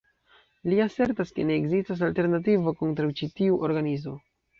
Li asertas, ke ne ekzistas alternativo kontraŭ ĉi tiu organizo.